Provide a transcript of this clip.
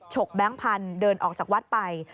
กแบงค์พันธุ์เดินออกจากวัดไป